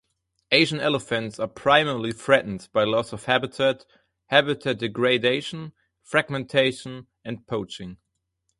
Asian elephants are primarily threatened by loss of habitat, habitat degradation, fragmentation and poaching.